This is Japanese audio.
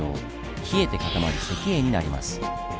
冷えて固まり石英になります。